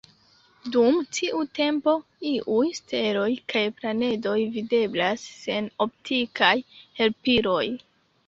Dum tiu tempo iuj steloj kaj planedoj videblas sen optikaj helpiloj.